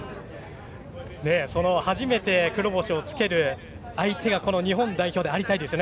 初めて黒星をつける相手がこの日本代表でありたいですね